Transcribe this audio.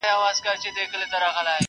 نه محتاج د تاج او ګنج نه د سریر یم؛